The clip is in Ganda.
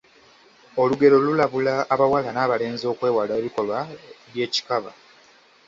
Olugero lulabula abawala n’abalenzi okwewala ebikolwa by’ekikaba.